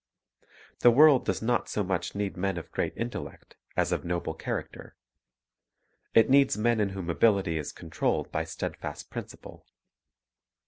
The world Aim does not so much need men of great intellect as of noble character. It needs men in whom ability is con trolled by steadfast principle.